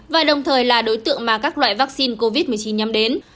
và đồng thời là đối tượng mà các loại vaccine covid một mươi chín nhắm đến